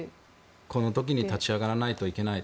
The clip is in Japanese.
この時に立ち上がらないといけない。